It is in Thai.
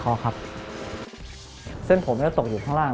เพื่อให้เส้นผมตกตะกอนอยู่ข้างล่าง